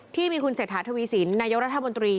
ที่มีคุณเสถาธุวิสินนายกรัฐบนตรี